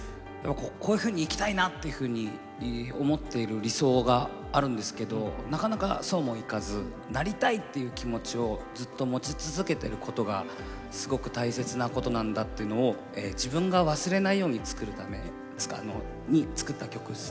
こういうふうに生きたいなっていうふうに思っている理想があるんですけどなかなかそうもいかずなりたいっていう気持ちをずっと持ち続けてることがすごく大切なことなんだっていうのを自分が忘れないように作った曲ですね。